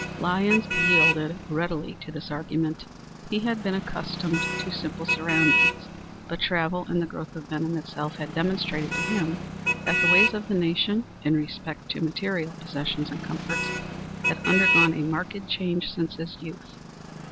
Lyons yielded readily to this argument. He had been accustomed to simple surroundings, but travel and the growth of Benham itself had demonstrated to him that the ways of the nation in respect to material possessions and comforts had undergone a marked change since his youth.